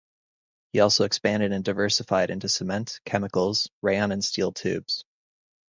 He also expanded and diversified into cement, chemicals, rayon and steel tubes.